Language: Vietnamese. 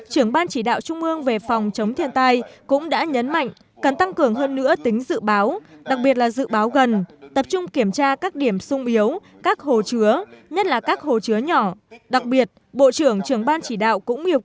trưởng ban chỉ đạo trung ương về phòng chống thiên tai cũng đã nhấn mạnh cần tăng cường hơn nữa tính dự báo